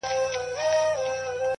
ثابت قدم انسان منزل ته رسېږي’